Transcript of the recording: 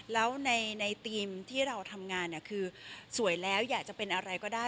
แล้วในทีมที่เราทำงานคือสวยแล้วอยากจะเป็นอะไรก็ได้